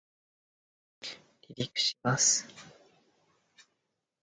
離陸します